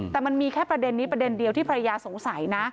แต่มันมีแค่ประเด็นนี้ประเด็นเดียวที่ภรรยาสงสัยนะ